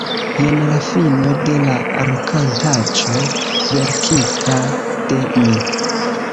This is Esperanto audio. Jen la fino de la rakontaĉo verkita de mi.